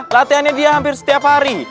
latihannya dia hampir setiap hari